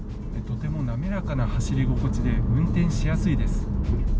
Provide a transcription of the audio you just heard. とてもなめらかな走り心地で、運転しやすいです。